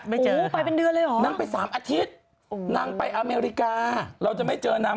ไม่เจอค่ะนางไป๓อาทิตย์นางไปอเมริกาเราจะไม่เจอนาง